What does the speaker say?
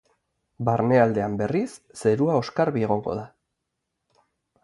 Barnealdean, berriz, zerua oskarbi egongo da.